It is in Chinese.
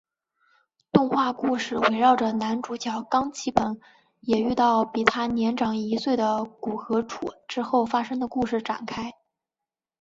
动画故事围绕着男主角冈崎朋也遇到比他年长一岁的古河渚之后发生的故事展开。